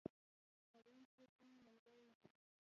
حرم کې ټینګ ملګري لري.